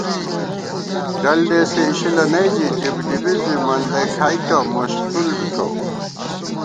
ڈل دېسے اِشِلہ نئ زِی ڈِبڈِبِز بی مندہ کھائیکَہ مشخُل بِکہ